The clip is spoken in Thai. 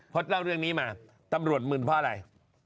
พอเล่าเรื่องนี้มาตำรวจมึนเพราะอะไร